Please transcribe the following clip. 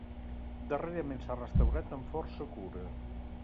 Darrerament s'ha restaurat amb força cura.